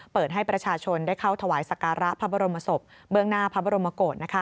เปิดให้ประชาชนได้เข้าถวายสการะพระบรมศพเบื้องหน้าพระบรมโกศ